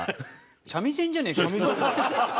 三味線じゃねえかよ！